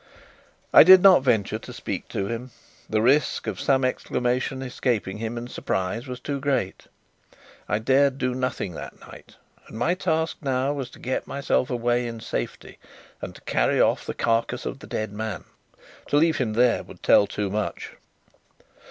I did not venture to speak to him. The risk of some exclamation escaping him in surprise was too great. I dared do nothing that night; and my task now was to get myself away in safety, and to carry off the carcass of the dead man. To leave him there would tell too much.